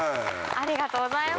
ありがとうございます。